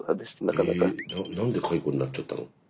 え何で解雇になっちゃったの？